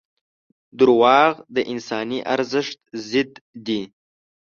• دروغ د انساني ارزښت ضد دي.